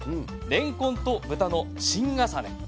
「れんこんと豚のチン重ね」。